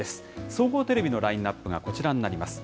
総合テレビのラインナップがこちらになります。